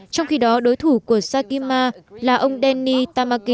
trong khi đó đối thủ của sakima là ông denny tamaki